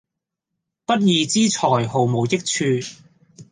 不義之財毫無益處